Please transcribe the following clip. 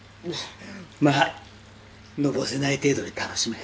まぁのぼせない程度に楽しめ。